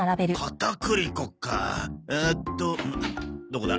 どこだ？